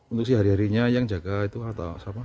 untuk si hari harinya yang jaga itu atau siapa